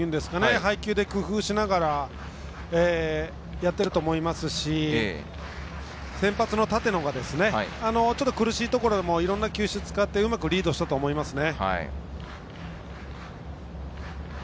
配球で工夫をしながらやっていると思いますし先発の立野がちょっと苦しいところでもいろんな球種を使ってうまくリードしたと思いますね。